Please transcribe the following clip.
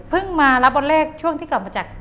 มารับวันแรกช่วงที่กลับมาจาก